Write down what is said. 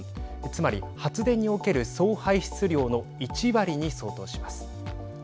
つまり発電における総排出量の１割に相当します。